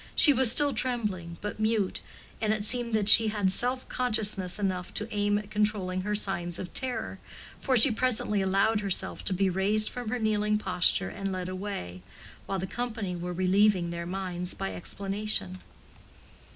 She was still trembling, but mute, and it seemed that she had self consciousness enough to aim at controlling her signs of terror, for she presently allowed herself to be raised from her kneeling posture and led away, while the company were relieving their minds by explanation.